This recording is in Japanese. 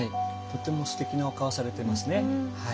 とてもすてきなお顔をされていますね。